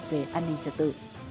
về an ninh trật tự